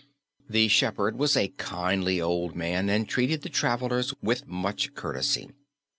The shepherd was a kindly old man and treated the travelers with much courtesy.